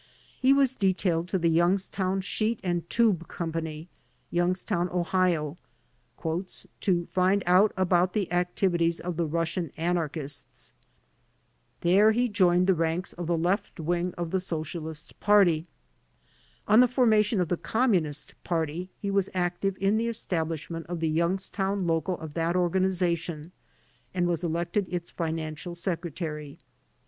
He was detailed to The Youngs town Sheet and Tube Company, Youngstown, Ohio, "to find out about the activities of the Russian anarchists." There he joined the ranks of the Left Wing of the Social ist Party. On the formation of the Communist Party, he was active in the establishment of the Youngstown local of that organization and was elected its Financial Secretary.